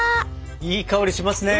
いい香りしますね！